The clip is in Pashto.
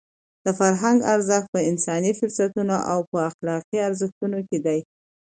د فرهنګ ارزښت په انساني فضیلتونو او په اخلاقي ارزښتونو کې دی.